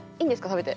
食べて。